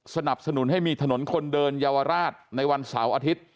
สนับสนุนให้มีถนนคนเดินเยาวราชในวันเสาร์อาทิตย์